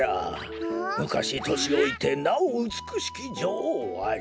「むかしとしおいてなおうつくしきじょおうあり